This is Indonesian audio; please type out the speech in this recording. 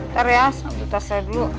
sebentar ya ambil tas saya dulu